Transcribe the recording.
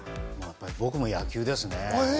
僕も野球ですね。